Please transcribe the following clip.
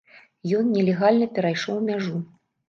Ён нелегальна перайшоў мяжу.